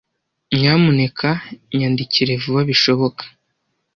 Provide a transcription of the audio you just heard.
Nyamuneka nyandikire vuba bishoboka.